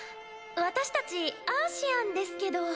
私たちアーシアンですけど。